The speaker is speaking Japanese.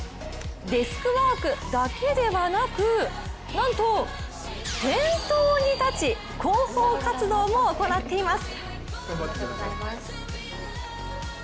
デスクワークだけではなくなんと、店頭に立ち広報活動も行っています。